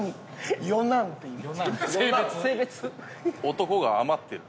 男が余ってる。